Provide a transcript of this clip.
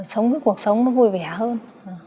sống cái cuộc sống nó vui vẻ hơn